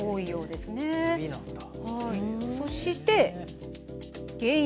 そして「原因」。